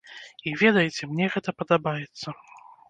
І ведаеце, мне гэта падабаецца.